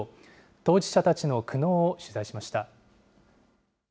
当事者たちの苦悩を取材しました。